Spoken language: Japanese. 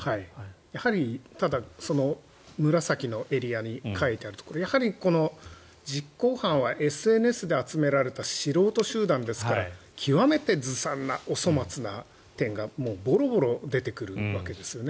やはり、ただ紫のエリアに書いてあるところやはり、実行犯はＳＮＳで集められた素人集団ですから極めてずさんなお粗末な点がボロボロ出てくるわけですよね。